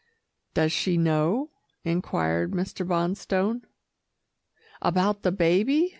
"Does she know?" inquired Mr. Bonstone. "About the baby?"